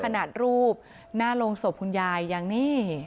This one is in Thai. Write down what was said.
ขนาดรูปหน้าโรงศพคุณยายยังนี่